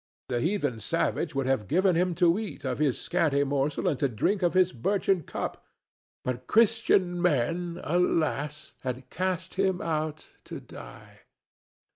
"The heathen savage would have given him to eat of his scanty morsel and to drink of his birchen cup, but Christian men, alas! had cast him out to die."